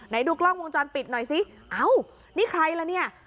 ดูกล้องวงจรปิดหน่อยสิเอ้านี่ใครละเนี่ย